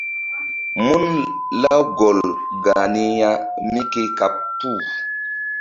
Mun Lawgol gah ni ya mí ke kaɓ puh.